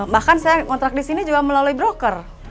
bahkan saya ngontrak disini juga melalui broker